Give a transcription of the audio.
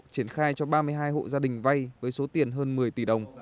triển khai cho ba mươi hai hộ gia đình vay với số tiền hơn một mươi tỷ đồng